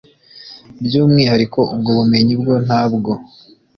By’ umwihariko ubwo bumenyi bwo ntabwo